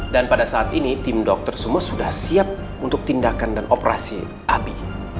dan pada saat ini tim dokter semua sudah siap untuk tindakan dan operasi abi